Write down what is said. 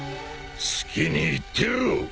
好きに言ってろ！